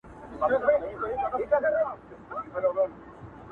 د مستعمره وګړو ارزښتونه